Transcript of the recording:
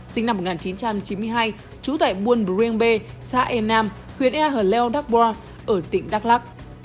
sinh năm một nghìn chín trăm chín mươi hai trú tại buôn brương bê xã e nam huyện ea hờ leo đắk bò ở tỉnh đắk lắc